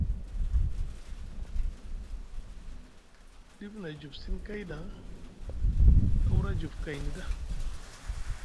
Dif na juf sini kay da a wuura juf kay ni ɗa.